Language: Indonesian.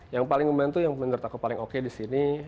yang paling membantu yang menurut aku paling oke disini